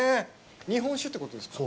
日本酒ってことですか。